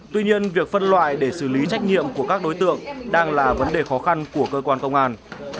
tuy nhiên việc phân loại để xử lý trách nhiệm của các đối tượng đang là vấn đề khó khăn của cơ quan công an